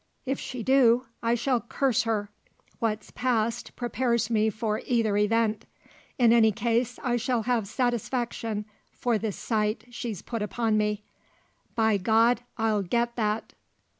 If she do, I shall curse her! What's passed prepares me for either event. In any case, I shall have satisfaction for the slight she's put upon me. By God I'll get that!"